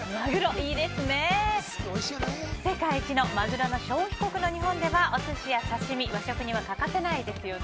世界一のマグロの消費国の日本ではおすしや刺し身和食には欠かせないですよね。